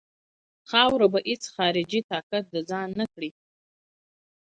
خاوره به هیڅ خارجي طاقت د ځان نه کړي.